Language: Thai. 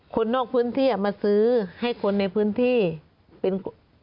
คนนอกพื้นที่มาซื้อให้คนในพื้นที่เป็น